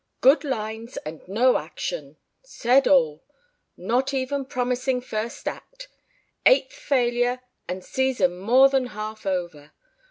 ... Good lines and no action ... said all ... not even promising first act ... eighth failure and season more than half over